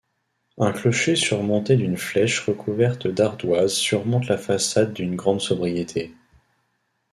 Un clocher surmonté d'une flèche recouverte d'ardoise surmonte la façade d'une grande sobriété.